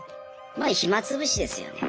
まあ暇つぶしですよね。